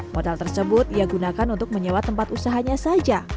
modal tersebut ia gunakan untuk menyewa tempat usahanya saja